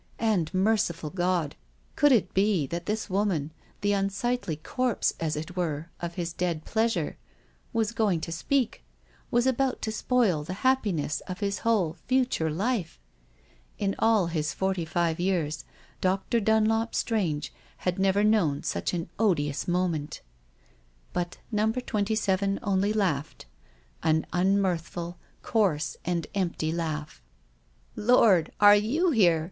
And, merciful God ! could it be that this woman — the un sightly corpse, as it were, of his dead pleas ■££.£V* ; w„ about /spoil the happiness of his whole future life ? In 234 THE STORY OF A MODERN WOMAN. all his forty five years Dr. Dunlop Strange had never known such an odious moment But Number Twenty seven only laughed — an unmirthf ul, coarse, and empty laugh. "Oh, lord, are you here?"